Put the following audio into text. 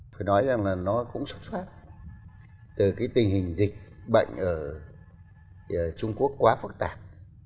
phải nói rằng là nó cũng xuất phát từ cái tình hình dịch bệnh ở trung quốc quá phức tạp